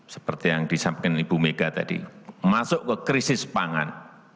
seperti yang disampaikan ibu mega tadi masuk ke krisis pangan